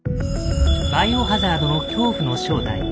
「バイオハザード」の恐怖の正体。